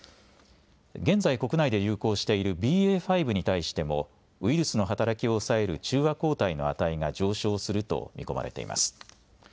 現在、国内で流行しているＢＡ．５に対してもウイルスの働きを抑える中和抗体の値が上昇すると見込まれています。